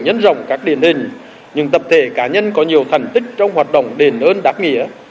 nhân rộng các điển hình những tập thể cá nhân có nhiều thành tích trong hoạt động đền ơn đáp nghĩa